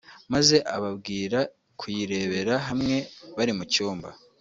maze ababwira kuyirebera hamwe bari mu cyumba